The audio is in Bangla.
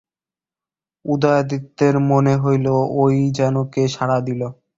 উদয়াদিত্যের মনে হইল, ঐ যেন কে সাড়া দিল।